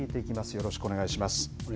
よろしくお願いします。